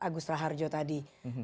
pak agustra harjo tadi